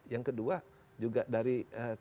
yang kedua juga dari